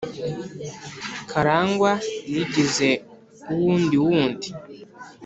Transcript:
karangwa yigize uwundiwundi.